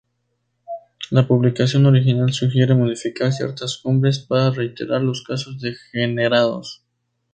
La publicación original sugiere modificar ciertas cumbres para retirar los casos degenerados.